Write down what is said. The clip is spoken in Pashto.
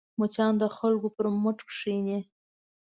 مچان د خلکو پر مټ کښېني